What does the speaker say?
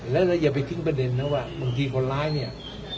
แล้วเราอย่าไปทิ้งประเด็นนะว่าบางทีคนร้ายเนี่ย